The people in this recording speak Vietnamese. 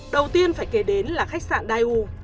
đầu tiên phải kể đến là khách sạn daewoo